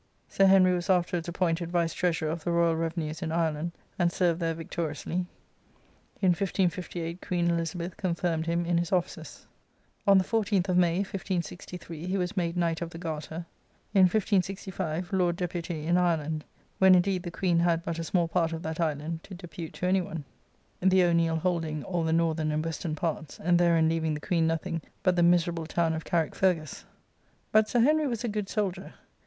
Sir Henry was afterwards appointed Vice Treasurer of the Royal Revenues in Ireland, and served there victoriously ; in 1558 Queen Ehzabeth confirmed him in his offices. On the 14th of May, 1563, he was made Knight of the Garter; in 1565 Lord Deputy in Ireland, whenlnSeMTiie^ueen had but a small part of that island to depute to any one, the O'Neil holding all the northern and western parts, and therein leaving the Queen nothing but "the miserable town of Carrickfergus." But Sir Henry was a good soldier.